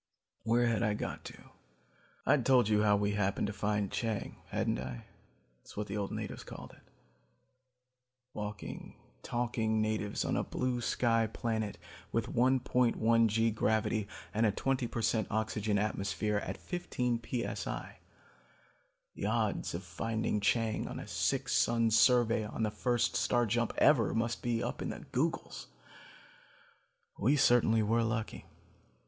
"Where had I got to? I'd told you how we happened to find Chang, hadn't I? That's what the natives called it. Walking, talking natives on a blue sky planet with 1.1 g gravity and a twenty per cent oxygen atmosphere at fifteen p.s.i. The odds against finding Chang on a six sun survey on the first star jump ever must be up in the googols. We certainly were lucky.